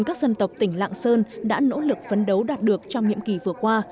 các dân tộc tỉnh lạng sơn đã nỗ lực phấn đấu đạt được trong nhiệm kỳ vừa qua